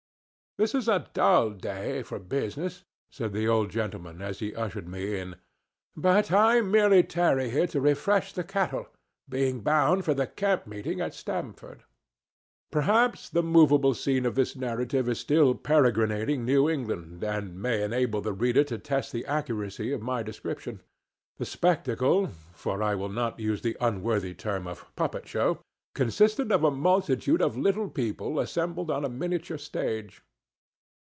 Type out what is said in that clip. "This is a dull day for business," said the old gentleman as he ushered me in; "but I merely tarry here to refresh the cattle, being bound for the camp meeting at Stamford." Perhaps the movable scene of this narrative is still peregrinating New England, and may enable the reader to test the accuracy of my description. The spectacle—for I will not use the unworthy term of "puppet show"—consisted of a multitude of little people assembled on a miniature stage.